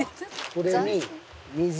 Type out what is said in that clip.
これに水。